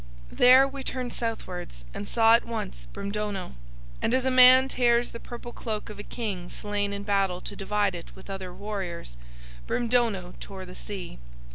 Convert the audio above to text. "There we turned southwards and saw at once Brimdono. And as a man tears the purple cloak of a king slain in battle to divide it with other warriors,—Brimdono tore the sea.